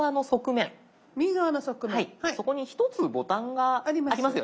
そこに１つボタンが。あります。